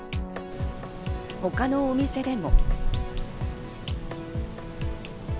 他のお店でも。